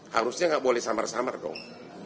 harusnya nggak boleh samar samar dong